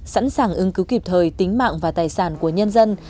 sẵn sàng ứng cứu kịp thời tính mạng và tài sản của nhân dân